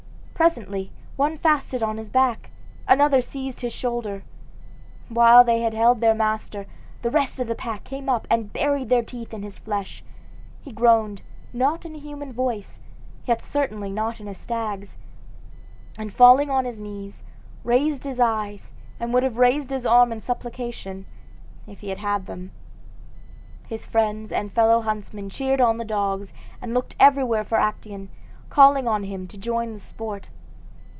Presently one fastened on his back, another seized his shoulder. While they held their master, the rest of the pack came up and buried their teeth in his flesh. He groaned, not in a human voice, yet certainly not in a stag's, and falling on his knees, raised his eyes, and would have raised his arms in supplication, if he had had them. His friends and fellow huntsmen cheered on the dogs, and looked everywhere for Actaeon, calling on him to join the sport.